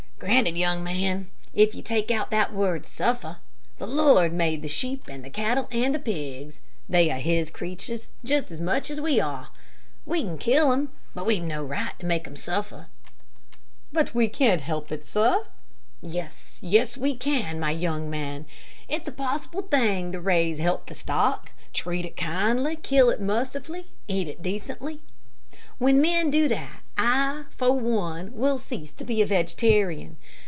"Granted, young man, if you take out that word suffer. The Lord made the sheep, and the cattle, and the pigs. They are his creatures just as much as we are. We can kill them, but we've no right to make them suffer." "But we can't help it, sir." "Yes, we can, my young man. It's a possible thing to raise healthy stock, treat it kindly, kill it mercifully, eat it decently. When men do that I, for one, will cease to be a vegetarian.